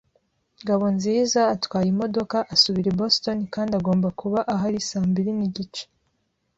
Ngabonziza atwaye imodoka asubira i Boston kandi agomba kuba ahari saa mbiri nigice.